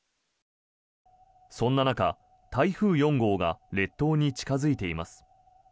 そんな中、台風４号が列島に近付いています。